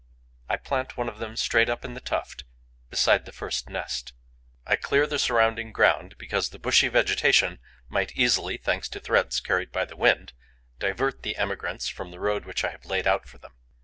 I plant one of them straight up in the tuft, beside the first nest. I clear the surrounding ground, because the bushy vegetation might easily, thanks to threads carried by the wind, divert the emigrants from the road which I have laid out for them.